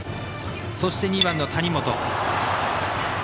そして、２番の谷本。